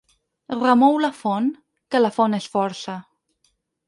Remou la font, que la font és força.